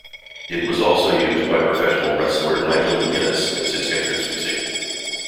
It was also used by professional wrestler Nigel McGuinness as his entrance music.